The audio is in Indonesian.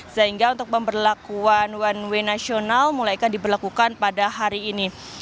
sehingga untuk pemberlakuan one way nasional mulaikan diberlakukan pada hari ini